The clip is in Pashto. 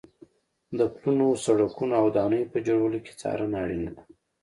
د پلونو، سړکونو او ودانیو په جوړولو کې څارنه اړینه ده.